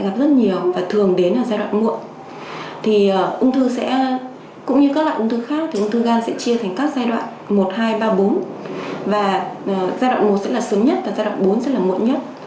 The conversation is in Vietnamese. các giai đoạn một hai ba bốn và giai đoạn một sẽ là sớm nhất và giai đoạn bốn sẽ là muộn nhất